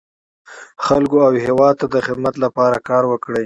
خلکو او هېواد ته د خدمت لپاره کار وکړي.